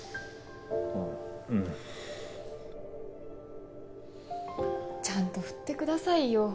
あぁうん。ちゃんと振ってくださいよ。